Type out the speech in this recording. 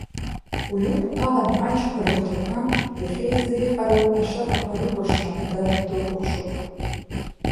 Уҩықәԥаланы аџьқәа рыгәҭақәа иахьеизеиҟароу ашахақәа рыкәырша, дад, дукәхшоуп!